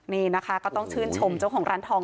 นี่นะคะก็ต้องชื่นชมเจ้าของร้านทอง